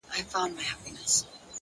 صبر د بریا د رسېدو پُل دی!.